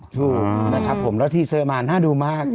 ถูกนะครับผมแล้วทีเซอร์มานน่าดูมาก